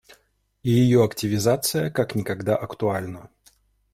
И ее активизация как никогда актуальна.